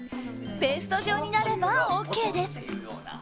ペースト状になればＯＫです。